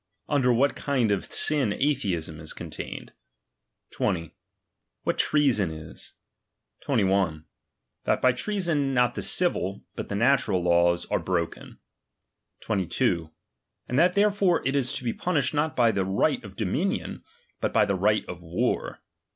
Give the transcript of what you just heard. Under what kind of sin atheism is con. tained. 20. What treason is. 21. That by treason not the civil, but the natural laws are broken. 22. And that therefore it is to be punished not by the right of dominion, but by the right of war.